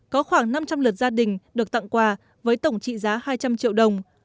có khoảng năm trăm linh lượt gia đình được tặng quà với tổng trị giá hai trăm linh triệu đồng